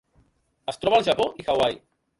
Es troba al Japó i Hawaii.